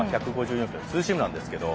ツーシームなんですけど。